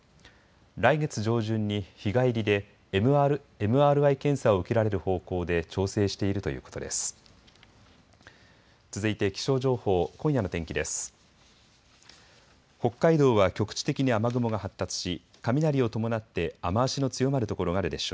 来月上旬に日帰りでＭＲＩ検査を受けられる方向で調整しているということです。